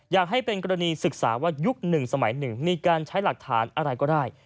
อยากให้เป็นกรณีศึกษาว่ายุค๑สมัย๑มีการใช้หลักฐานอะไรก็ได้